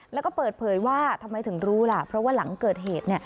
แล้วก็เปิดเผยว่าทำไมถึงรู้ล่ะเพราะว่าหลังเกิดเหตุ